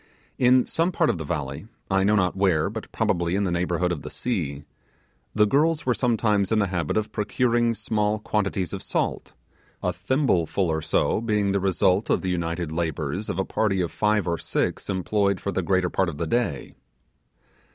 In some part of the valley I know not where, but probably in the neighbourhood of the sea the girls were sometimes in the habit of procuring small quantities of salt, a thimble full or so being the result of the united labours of a party of five or six employed for the greater part of the day.